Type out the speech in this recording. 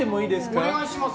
お願いします。